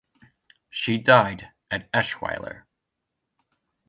She died at Eschweiler.